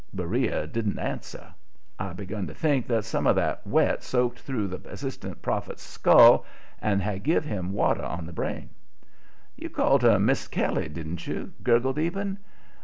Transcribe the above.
Beriah didn't answer. I begun to think that some of the wet had soaked through the assistant prophet's skull and had give him water on the brain. "You called her Mis' Kelly, didn't you?" gurgled Eben.